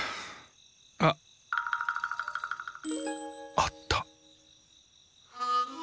あ！あった。